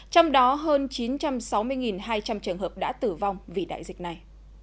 trong đó hơn chín trăm sáu mươi hai trăm linh trường hợp đã tử vong vì đại dịch này